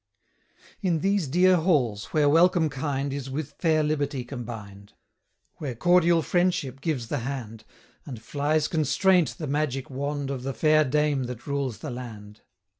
In these dear halls, where welcome kind Is with fair liberty combined; Where cordial friendship gives the hand, And flies constraint the magic wand 110 Of the fair dame that rules the land.